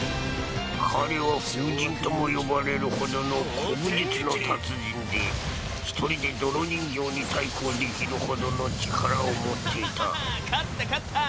彼は風神とも呼ばれるほどの古武術の達人で一人で泥人形に対抗できるほどの力を持っていた勝った勝った！